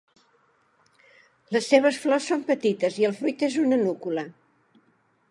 Les seves flors són petites i el fruit és una núcula.